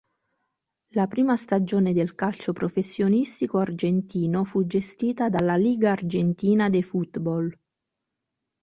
La prima stagione del calcio professionistico argentino fu gestita dalla Liga Argentina de Football.